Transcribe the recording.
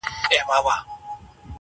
زموږ د تاریخ د اتلانو وطن!.